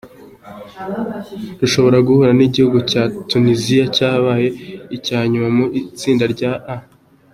Rushobora guhura n’igihugu cya Tuniziya cyabaye icya nyuma mu itsinda A.